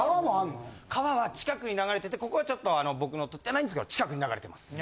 川は近くに流れててここはちょっと僕のじゃないんですけど近くに流れてます。